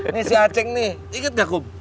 ini si aceh nih